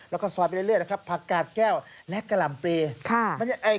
แล้วก็ซอยไปเรื่อยนะครับผักกาดแก้วและกะหล่ำปลีค่ะ